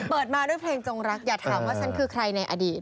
มาด้วยเพลงจงรักอย่าถามว่าฉันคือใครในอดีต